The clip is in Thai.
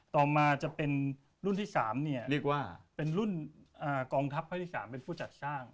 ตอมาจะเป็นมาเป็นรุ่นที่๓เป็นรุ่นกองทัพครั้งที่๓เป็นผู้จัดสร้าง